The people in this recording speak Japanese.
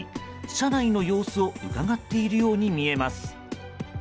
車内の様子をうかがっているように見えます。